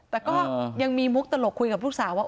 แต่ก็ยังมีมุกตลกคุยกับลูกสาวว่า